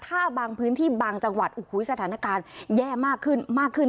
ถ้าบางพื้นที่บางจังหวัดสถานการณ์แย่มากขึ้นมากขึ้น